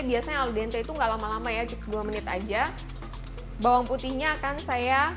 biasanya aldente itu enggak lama lama ya dua menit aja bawang putihnya akan saya